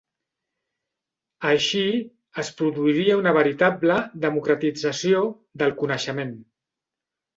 Així, es produiria una veritable democratització del coneixement.